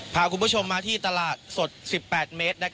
พาคุณผู้ชมมาที่ตลาดสด๑๘เมตร